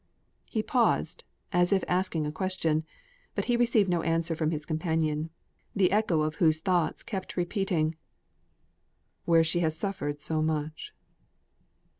He paused, as if asking a question; but he received no answer from his companion, the echo of whose thoughts kept repeating "Where she had suffered so much."